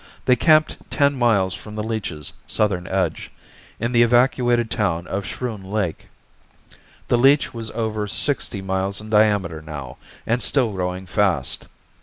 They camped ten miles from the leech's southern edge, in the evacuated town of Schroon Lake. The leech was over sixty miles in diameter now and still growing fast.